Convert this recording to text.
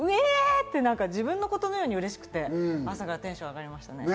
って、自分の事のようにうれしくて、朝からテンションが上がりましたね。